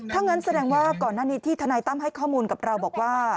ถ้างั้นแสดงว่าก่อนหน้านี้ที่ทนายตั้มให้ข้อมูลกับเราบอกว่า